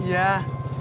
nanti aku coba